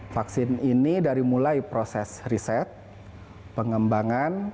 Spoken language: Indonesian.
vaksin ini dari mulai proses riset pengembangan